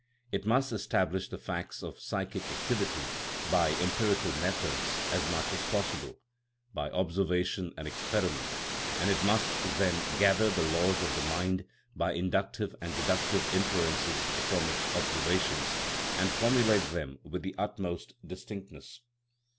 It must establish the facts of psychic activity by em pirical methods as much as possible, by observation and experiment, and it must then gather the laws oi the mind by inductive and deductive inferences from its observations, and formulate them with the utmost distinctness.